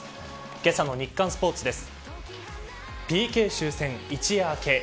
けさの日刊スポーツです。